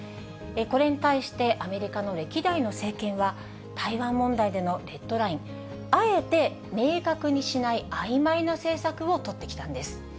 これに対してアメリカの歴代の政権は、台湾問題でのレッドライン、あえて明確にしない、あいまいな政策を取ってきたんです。